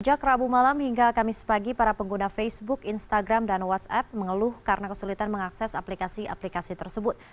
sejak rabu malam hingga kamis pagi para pengguna facebook instagram dan whatsapp mengeluh karena kesulitan mengakses aplikasi aplikasi tersebut